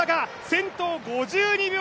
先頭、５２秒８５！